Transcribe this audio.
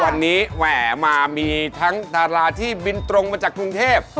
วันนี้แหมมามีทั้งดาราที่บินตรงมาจากกรุงเทพ